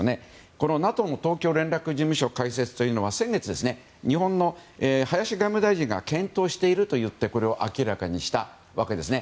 このＮＡＴＯの東京連絡事務所開設というのは先月、日本の林外務大臣が検討していると言ってこれを明らかにしたわけですね。